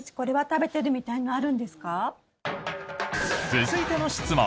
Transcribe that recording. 続いての質問。